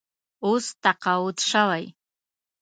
اوس تقاعد شوی.